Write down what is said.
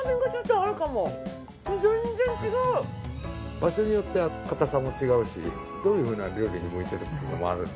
場所によって硬さも違うしどういうふうな料理に向いているっていうのもあるので。